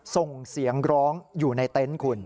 ส่งเสียงร้องอยู่ในเต็นต์คุณ